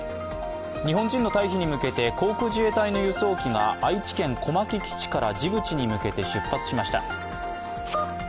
日本人の退避に向けて航空自衛隊の輸送機が愛知県小牧基地からジブチに向けて出発しました。